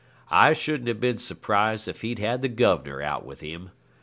I shouldn't have been surprised if he'd had the Governor out with him.